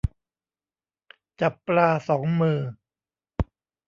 จับปลาสองมือ